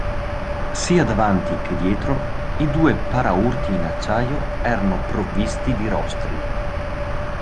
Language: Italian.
Sia davanti che dietro, i due paraurti in acciaio erano provvisti di rostri.